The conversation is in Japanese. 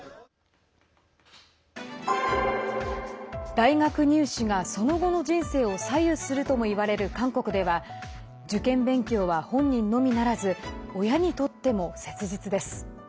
大学入試がその後の人生を左右するとも言われる韓国では受験勉強は本人のみならず親にとっても切実です。